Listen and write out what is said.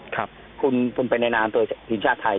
คุณไปในนามตัวทีมชาติไทย